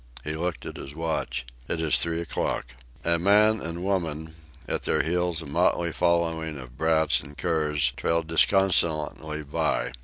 He looked at his watch. "It is three o'clock." A man and woman, at their heels a motley following of brats and curs, trailed disconsolately by.